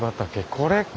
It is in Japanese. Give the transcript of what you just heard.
これか！